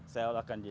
saya olahkan dia